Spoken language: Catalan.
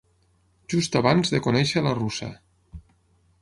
Just abans de conèixer la russa.